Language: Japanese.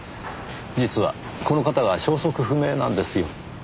実はこの方が消息不明なんですよ。